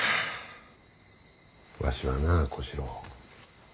わしはな小四郎。